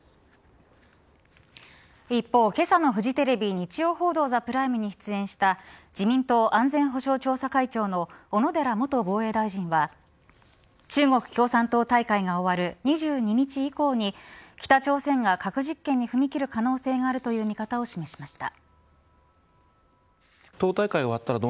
一方けさのフジテレビ日曜報道ＴＨＥＰＲＩＭＥに出演した自民党安全保障調査会長の小野寺元防衛大臣は中国共産党大会が終わる２２日以降に北朝鮮が核実験に踏み切る可能性があるという見方を示しました。